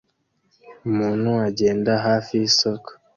Umuntu agenda hafi yisoko